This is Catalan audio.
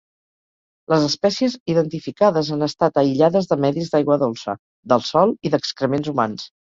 Les espècies identificades han estat aïllades de medis d'aigua dolça, del sòl i d'excrements humans.